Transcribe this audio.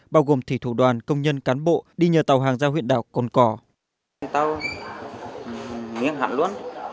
bao gồm thủy thủ đoàn công nhân cán bộ đi nhờ tàu hàng ra huyện đảo cồn cỏ